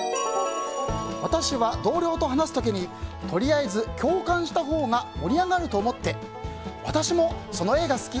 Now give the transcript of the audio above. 私は同僚と話す時にとりあえず共感したほうが盛り上がると思って私もその映画好き！